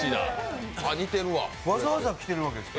わざわざ来てるわけですか？